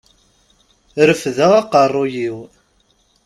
Refdeɣ aqerruy-iw.